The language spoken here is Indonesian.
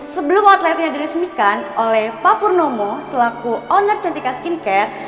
sebelum outletnya diresmikan oleh pak purnomo selaku owner cantika skincare